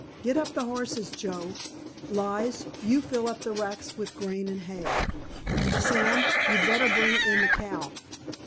Get up the horses, Joe. Lige, you fill up the racks with grain and hay. Sam, you'd better bring in the cow.